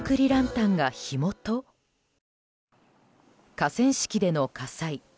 河川敷での火災。